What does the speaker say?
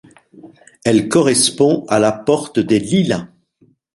Elle correspond à la porte des Lilas.